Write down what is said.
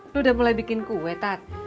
lo udah mulai bikin kue tat